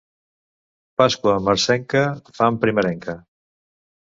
Pasqua marcenca, fam primerenca.